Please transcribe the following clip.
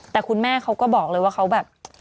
แต่คุณแม่เขาก็บอกเลยว่าเขาแบบ